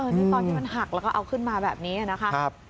นี่ตอนที่มันหักแล้วก็เอาขึ้นมาแบบนี้นะคะ